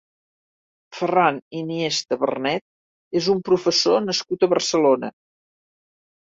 Ferran Iniesta Vernet és un professor nascut a Barcelona.